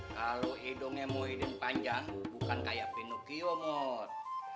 kalo hidungnya mohidin panjang bukan kayak pinocchio mut